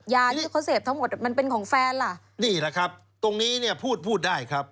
ยาที่เขาเสพทั้งหมดมันเป็นของแฟนล่ะนี่แหละครับตรงนี้เนี่ยพูดพูดได้ครับ